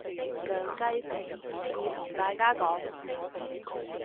梁繼平義士同大家講